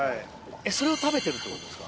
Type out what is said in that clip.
それを食べてるってことですか？